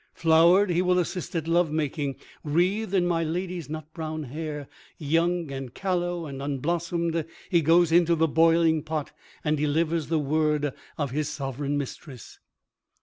Flowered, he will assist at love making, wreathed in my lady's nut brown hair; young and callow and unblossomed, he goes into the boiling pot and delivers the word of his sovereign mistress.